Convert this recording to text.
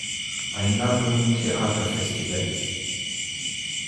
Einladungen Theaterfestivals